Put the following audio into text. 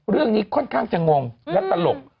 เรื่องนี้ค่อนข้างจะงงและตลก